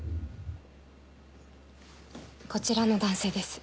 こちらの男性です